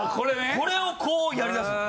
これをこうやりだす。